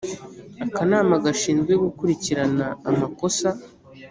akanama gashinzwe gukurikirana amakosa